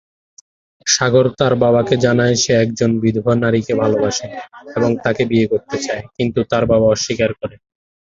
সাগর তার বাবাকে জানায় সে একজন বিধবা নারীকে ভালোবাসে এবং তাকে বিয়ে করতে চায়, কিন্তু তার বাবা অস্বীকার করে।